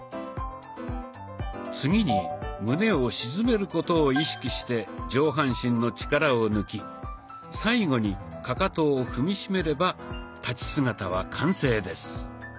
次に胸を沈めることを意識して上半身の力を抜き最後にかかとを踏みしめれば立ち姿は完成です。